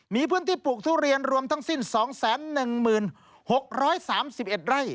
มีพื้นที่ปลูกทุเรียนรวมทั้งสิ้นสองแสนหนึ่งหมื่นหกร้อยสามสิบเอ็ดไร่